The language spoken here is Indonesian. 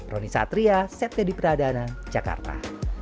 roni satria setkedipradana jakarta